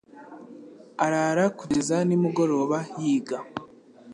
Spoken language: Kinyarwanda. arara kugeza nimugoroba yiga.